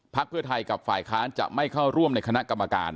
เพื่อไทยกับฝ่ายค้านจะไม่เข้าร่วมในคณะกรรมการ